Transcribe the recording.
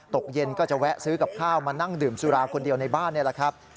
ตกเย็นก็จะแวะซื้อกับข้าวมานั่งดื่มสุราคนเดียวในบ้านนี่แหละครับ